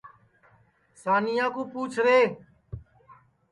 سانیا کُا پُوچھ رے